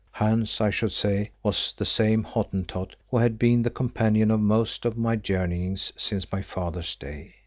Hans, I should say, was that same Hottentot who had been the companion of most of my journeyings since my father's day.